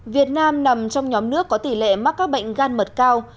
việt nam nằm trong nhóm nước có tỷ lệ mắc các bệnh gan mật cao